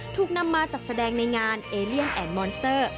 ถูกนำมาจัดแสดงในงานเอเลียนแอนดมอนสเตอร์